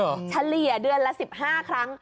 แรงชะเหลี่ยเดือนละ๑๕ครั้ง